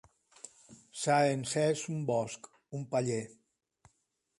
S'ha encès un bosc, un paller.